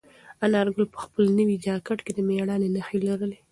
انارګل په خپل نوي جاکټ کې د مېړانې نښې لرلې.